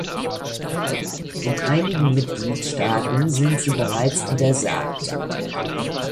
In einigen Mitgliedstaaten sind sie bereits untersagt.